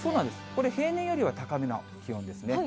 これ、平年よりは高めの気温ですね。